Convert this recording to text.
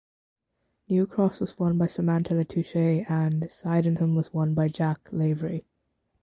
New Cross was won by Samantha Latouche and Sydenham was won by Jack Lavery.